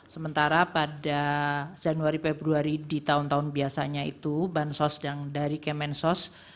sementara pada januari februari di tahun tahun biasanya itu bansos yang dari kemensos